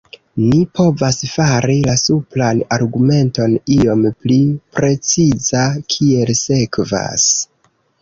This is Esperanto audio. Ni povas fari la supran argumenton iom pli preciza kiel sekvas.